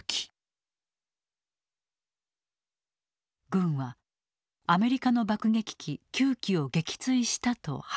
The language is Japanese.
軍はアメリカの爆撃機９機を撃墜したと発表。